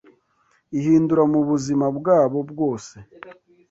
ihindura mu buzima bwabo bwose